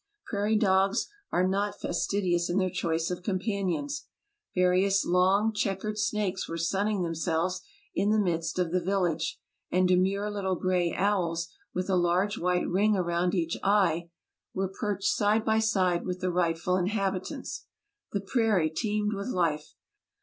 Prairie dogs are not fastidious in their choice of companions ; various long, checkered snakes were sunning themselves in the midst of the village, and demure little gray owls, with a large white ring around each eye, were perched side by side with the rightful inhabitants. The prairie teemed with life.